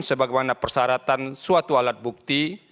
sebagaimana persyaratan suatu alat bukti